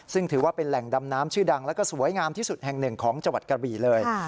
ซึ่งถือว่าเป็นแหล่งดำน้ำชื่อดังแล้วก็สวยงามที่สุดแห่งหนึ่งของจังหวัดกระบี่เลย